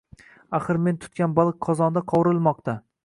Axir men tutgan baliq qozonda qovrilmoqda